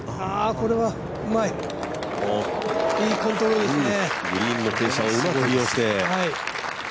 これはうまい、いいコントロールですね。